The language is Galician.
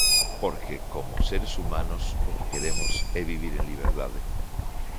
Porque, como seres humanos, o que queremos é vivir en liberdade.